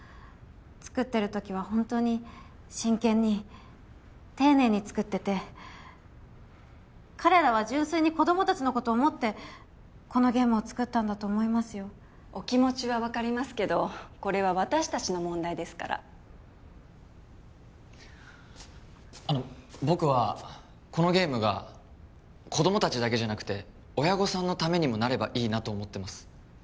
作ってる時はホントに真剣に丁寧に作ってて彼らは純粋に子供達のことを思ってこのゲームを作ったんだと思いますよお気持ちはわかりますけどこれは私達の問題ですからあの僕はこのゲームが子供達だけじゃなくて親御さんのためにもなればいいなと思ってます